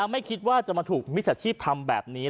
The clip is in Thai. ไม่คิดว่าจะมาถูกมิจฉาชีพทำแบบนี้